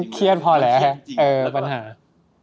ไม่เครียดพอแล้วแหละอ่ะปัญหาที่จริงอย่างใหญ่นะอะไรแก่วะ